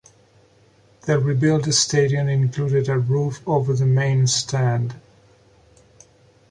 The rebuilt stadium included a roof over the main stand.